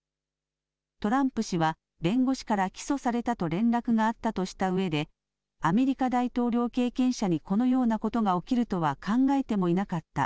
トランプ氏は弁護士から起訴されたと連絡があったとしたうえでアメリカ大統領経験者にこのようなことが起きるとは考えてもいなかった。